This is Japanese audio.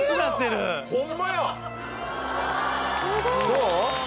どう？